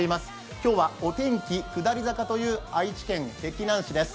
今日はお天気下り坂という愛知県碧南市です。